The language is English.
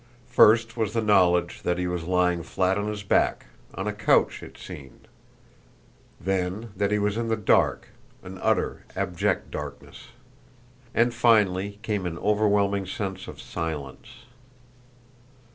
First was the knowledge that he was lying flat on his back, on a couch, it seemed; then, that he was in the dark an utter, abject darkness. And finally came an overwhelming sense of silence.